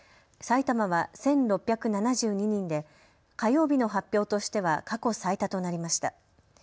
埼玉は１６７２人で火曜日の発表としては過去最多となりました。